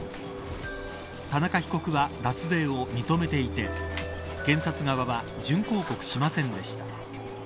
田中被告は脱税を認めていて検察側は準抗告しませんでした。